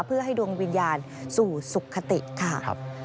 เพื่อให้ดวงวิญญาณสู่สุขติค่ะ